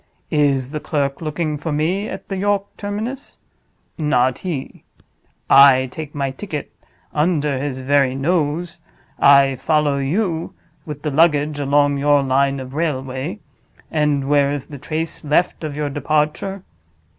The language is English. Is the clerk looking for me at the York terminus? Not he. I take my ticket under his very nose; I follow you with the luggage along your line of railway—and where is the trace left of your departure?